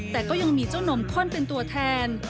แต่ก็ยังมีเจ้านมข้นเป็นตัวแทน